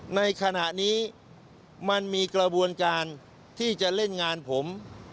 ในขณะนี้มันมีกระบวนการที่จะเล่นงานผม